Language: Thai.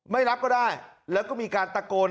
ไม่รับก็ได้แล้วก็มีการตะโกน